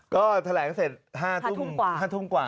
ก็แถลงเสร็จ๕ทุ่มกว่า